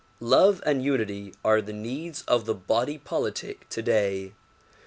Love and unity are the needs of the body politic today.